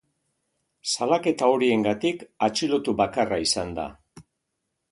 Salaketa horiengatik atxilotu bakarra izan da.